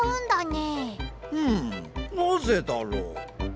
ふむなぜだろう？